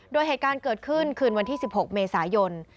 โดยเหตุการณ์เกิดขึ้นคืนวันที่๑๖เมษายน